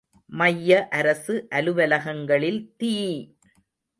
மைய அரசு அலுவலகங்களில் தீ!